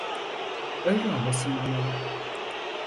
Öyle olmasını umalım.